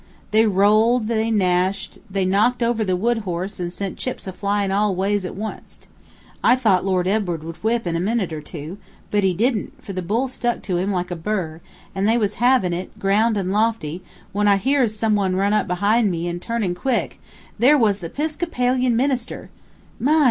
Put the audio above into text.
They rolled, they gnashed, they knocked over the wood horse and sent chips a flyin' all ways at wonst. I thought Lord Edward would whip in a minute or two; but he didn't, for the bull stuck to him like a burr, and they was havin' it, ground and lofty, when I hears some one run up behind me, and turnin' quick, there was the 'Piscopalian minister, 'My!